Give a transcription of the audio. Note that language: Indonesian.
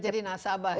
jadi nasabah ya